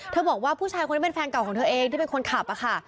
บอกว่าผู้ชายคนนี้เป็นแฟนเก่าของเธอเองที่เป็นคนขับค่ะ